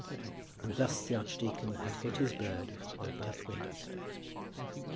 And thus the archdeacon had hit his bird on both wings.